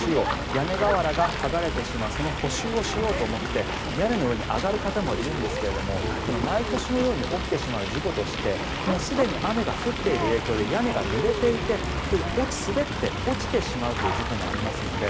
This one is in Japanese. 屋根瓦が剥がれてしまうその補修をしようと思って屋根の上に上がる方もいるんですが毎年のように起きてしまう事故としてすでに雨が降っている影響で屋根がぬれていて滑って落ちてしまうという事故もありますので